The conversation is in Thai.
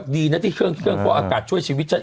พี่ฝีเชื่อเครื่องเฝาะอากาศสิไม่เจอ